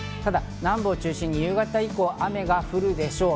南部を中心に夕方以降、雨が降るでしょう。